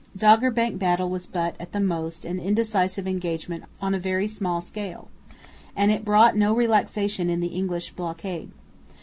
Doggerbank battle was but, at the most, an indecisive engagement on a very small scale, and it brought no relaxation in the English blockade.